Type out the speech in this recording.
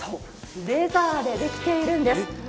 レザーでできているんですね。